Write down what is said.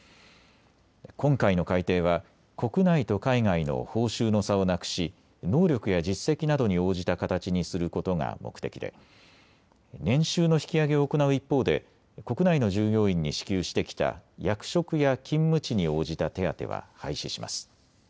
今回の改定は国内と海外の報酬の差をなくし能力や実績などに応じた形にすることが目的で年収の引き上げを行う一方で国内の従業員に支給してきた役職や勤務地に応じた手当は廃止します。